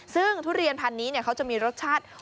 ซึ่งทุเรียนพันธุ์นี้เขาจะมีรสชาติ